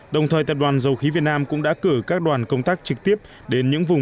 đồng thời tập đoàn dầu khí việt nam cũng đã cử các đoàn công tác trực tiếp đến những vùng